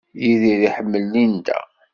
Yidir iḥemmel Linda.